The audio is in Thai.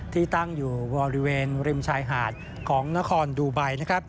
ที่ตั้งอยู่บริเวณริมชายหาดของนครดูไบนะครับ